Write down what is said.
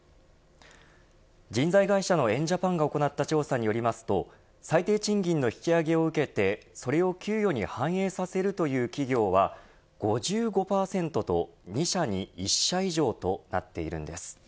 人材会社のエンジャパンが行った調査によりますと最低賃金の引き上げを受けてそれを給与に反映させるという企業は５５％と２社に１社以上となっているんです。